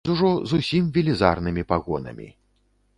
З ужо зусім велізарнымі пагонамі.